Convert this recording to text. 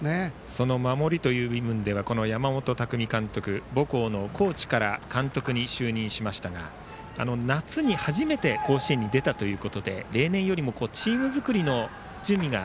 その守りという部分では山本巧監督母校のコーチに就任しましたが夏に初めて甲子園に出たということで例年よりもチーム作りの準備が